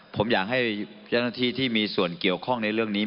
ผมอยากให้เจ้าหน้าที่ที่มีส่วนเกี่ยวข้องในเรื่องนี้